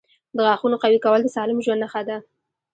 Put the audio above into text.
• د غاښونو قوي کول د سالم ژوند نښه ده.